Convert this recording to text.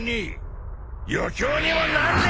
余興にもなんねえぞ！